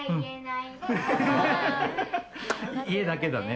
家だけだね。